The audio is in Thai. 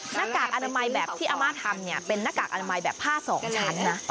หน้ากากอนามัยแบบที่อาม่าทำเนี่ยเป็นหน้ากากอนามัยแบบผ้าสองชั้นนะ